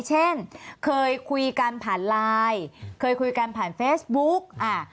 เช่นเคยคุยกันผ่านไลน์เคยคุยกันผ่านเฟซบุ๊ก